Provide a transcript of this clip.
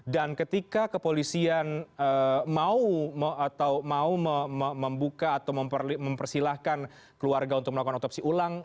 dan ketika kepolisian mau atau mau membuka atau mempersilahkan keluarga untuk melakukan hatopsi ulang